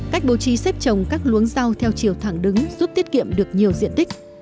cách bố trí xếp trồng các luống rau theo chiều thẳng đứng giúp tiết kiệm được nhiều diện tích